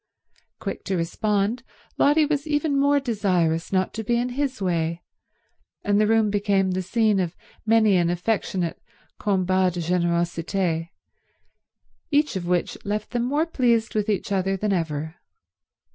Quick to respond, Lotty was even more desirous not to be in his way; and the room became the scene of many an affectionate combat de générosité, each of which left them more pleased with each other than ever.